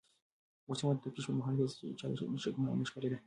مجسمه د تفتيش پر مهال هيڅ چا ته شکمنه نه ښکارېده.